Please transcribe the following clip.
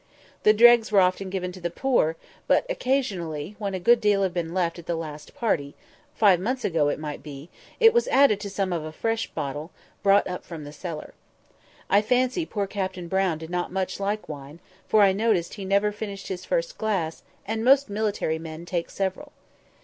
The dregs were often given to the poor: but occasionally, when a good deal had been left at the last party (five months ago, it might be), it was added to some of a fresh bottle, brought up from the cellar. I fancy poor Captain Brown did not much like wine, for I noticed he never finished his first glass, and most military men take several.